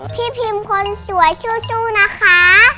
พี่พีมคนสวยชู่ชู่นะคะ